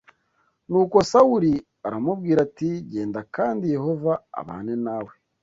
Nuko Sawuli aramubwira ati genda kandi Yehova abane nawe